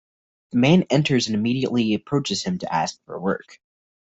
The man enters and immediately approaches him to ask for work.